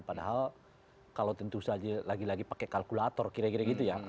padahal kalau tentu saja lagi lagi pakai kalkulator kira kira gitu ya